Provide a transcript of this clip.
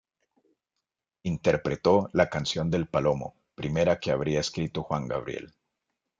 Interpretó la canción del Palomo, primera que habría escrito Juan Gabriel.